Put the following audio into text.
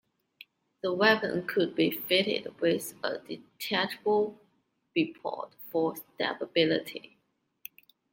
The weapon could be fitted with a detachable bipod for stability.